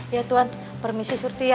ya tuhan permisi surti ya